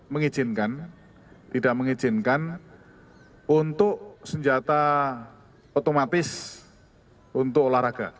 mengizinkan tidak mengizinkan untuk senjata otomatis untuk olahraga